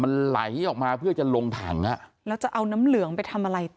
มันไหลออกมาเพื่อจะลงถังอ่ะแล้วจะเอาน้ำเหลืองไปทำอะไรต่อ